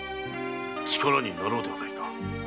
力になろうではないか。